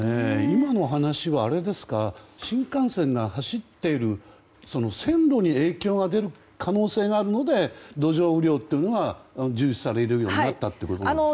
今の話は新幹線が走っている線路に影響が出る可能性があるので土壌雨量というのが重視されるようになったということですね。